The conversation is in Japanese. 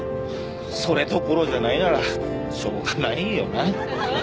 それどころじゃないならしょうがないよな